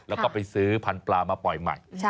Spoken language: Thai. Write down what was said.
แล้วก็ไปซื้อพันธุ์ปลามาปล่อยใหม่